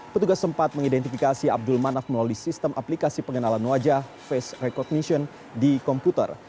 petugas sempat mengidentifikasi abdul manaf melalui sistem aplikasi pengenalan wajah face recognition di komputer